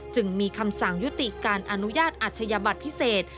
จึงมีคำสั่งยุติการอนุญาตอาชญาบัตรพิเศษ